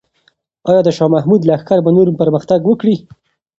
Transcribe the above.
آیا د شاه محمود لښکر به نور پرمختګ وکړي؟